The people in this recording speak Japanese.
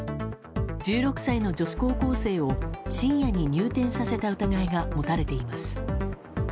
１６歳の女子高校生を深夜に入店させた疑いが持たれています。